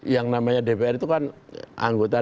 yang namanya dpr itu kan anggota